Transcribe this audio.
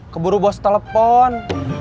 keburu bos telepon